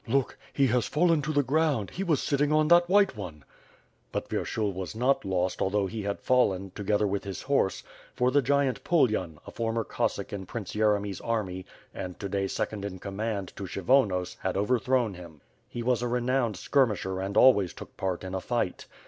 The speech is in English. Look! he has fallen to the ground, he was sitting on that white one." But Vyershul was not lost although he had fallen, together with his horse, for the gigantic Pulyan, a former Cossack in Prince Yeremy's army and to day second in comand to Kshy vonos had overthrown him. He was a renowned skirmisher and always took part in a fight.